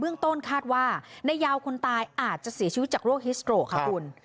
ต้นคาดว่านายยาวคนตายอาจจะเสียชีวิตจากโรคฮิสโตรกค่ะคุณ